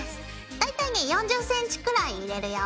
大体ね４０ｃｍくらい入れるよ。